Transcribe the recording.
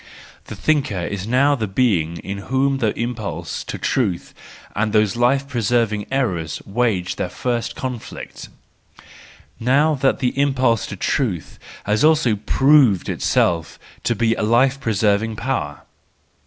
The thinker is now the being in whom the impulse to truth and those life¬ preserving errors wage their first conflict, now that the impulse to truth has also proved itself to be a life preserving power.